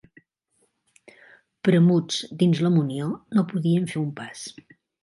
Premuts dins la munió, no podíem fer un pas.